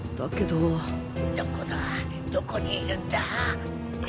どこだどこにいるんだ！